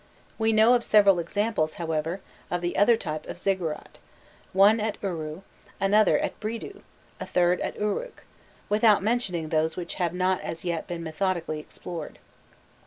We know of several examples, however, of the other type of ziggurat one at Uru, another at Bridu, a third at Uruk, without mentioning those which have not as yet been methodically explored.